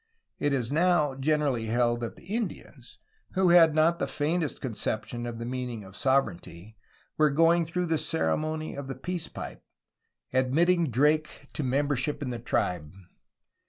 It is now generally held that the Indians, who had not the faintest conception of the meaning of sovereignty, were going through the ceremony of the peace pipe, admitting Drake to membership in the tribe.